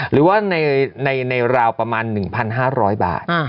หรือว่าในราวประมาณ๑๕๐๐บาท